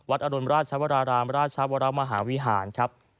อรุณราชวรารามราชวรมหาวิหารครับ